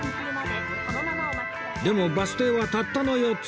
でもバス停はたったの４つ